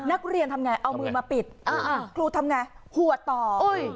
นักเรียนทำไงเอามือมาปิดอ่าครูทำไงหัวต่อโอ้ย